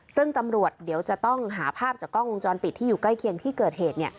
ซึ่งตำรวจเดี๋ยวจะต้องหาภาพจากกล้องวงจรปิดที่อยู่ใกล้เคียงที่เกิดเหตุ